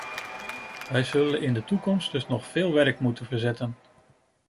Wij zullen in de toekomst dus nog veel werk moeten verzetten.